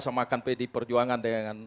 sama kan pd perjuangan dengan